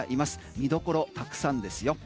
見どころたくさんですよ。